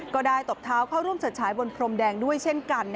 ตบเท้าเข้าร่วมจัดฉายบนพรมแดงด้วยเช่นกัน